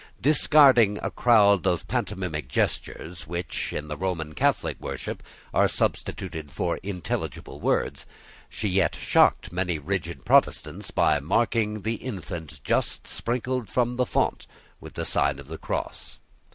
Discarding a crowd of pantomimic gestures which, in the Roman Catholic worship, are substituted for intelligible words, she yet shocked many rigid Protestants by marking the infant just sprinkled from the font with the sign of the cross.